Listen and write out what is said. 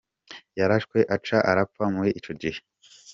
"Yarashwe aca arapfa muri ico gihe.